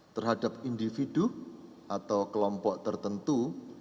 terhadap individu atau kelompok tertentu